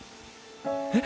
「えっ！？」